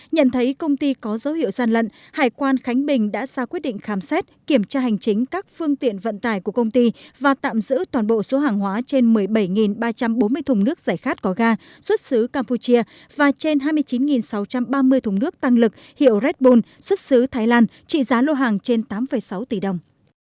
nhận thấy công ty có dấu hiệu gian lận hải quan khánh bình đã ra quyết định khám xét kiểm tra hành chính các phương tiện vận tải của công ty và tạm giữ toàn bộ số hàng hóa trên một mươi bảy ba trăm bốn mươi thùng nước giải khát có ga xuất xứ campuchia và trên hai mươi chín sáu trăm ba mươi thùng nước tăng lực hiệu red bull xuất xứ thái lan trị giá lô hàng trên tám sáu tỷ đồng